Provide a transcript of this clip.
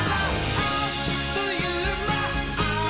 あっというまっ！」